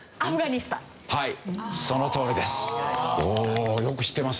はいそのとおりです。